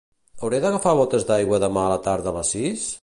Hauré d'agafar botes d'aigua demà a la tarda a les sis?